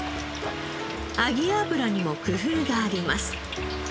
揚げ油にも工夫があります。